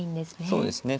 そうですね。